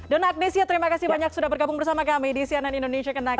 donna agnesia terima kasih banyak sudah bergabung bersama kami di cnn indonesia kentucky